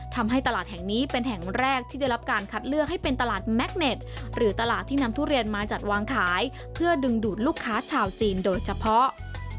ทำให้ตลาดแห่งนี้เป็นแห่งแรกที่ได้รับการคัดเลือกให้เป็นตลาดแม็กเน็ตหรือตลาดที่นำทุเรียนมาจัดวางขายเพื่อดึงดูดลูกค้าชาวจีนโดยเฉพาะ